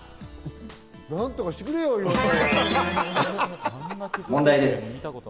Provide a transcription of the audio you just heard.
なんとかしてくれよ、岩田を。